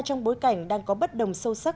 trong bối cảnh đang có bất đồng sâu sắc